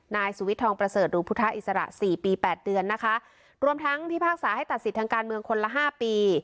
นายสุวิทยทองประเสริฐหรือพุทธอิสระสี่ปีแปดเดือนนะคะรวมทั้งพิพากษาให้ตัดสิทธิ์ทางการเมืองคนละห้าปี